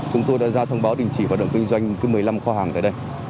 chúng tôi đã ra thông báo đình chỉ hoạt động kinh doanh một mươi năm kho hàng tại đây